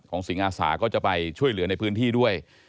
สิงอาสาก็จะไปช่วยเหลือในพื้นที่ด้วย